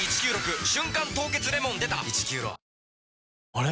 あれ？